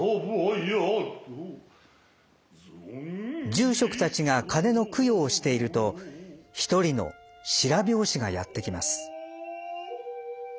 住職たちが鐘の供養をしていると一人の白拍子がやって来ます。